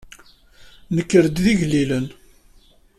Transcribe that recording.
Nenker-d d igellilen.